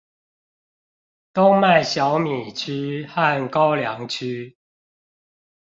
冬麥小米區和高梁區